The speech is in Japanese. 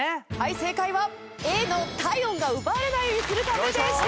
正解はＡの体温が奪われないようにするためでした。